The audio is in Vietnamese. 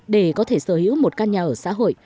để có thể sở hữu một căn nhà ở xã hội